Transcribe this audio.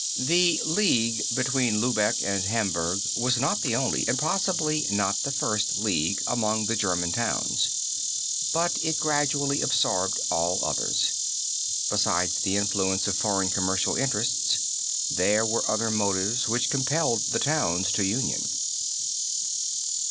"The league between Lübeck and Hamburg was not the only, and possibly not the first, league among the German towns. But it gradually absorbed all others. Besides the influence of foreign commercial interests there were other motives which compelled the towns to union.